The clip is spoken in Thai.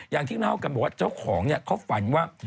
อย่างที่เบลอกันบอกว่าเจ้าของเขาฝันว่า